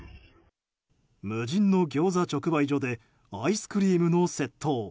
無人のギョーザ直売所でアイスクリームの窃盗。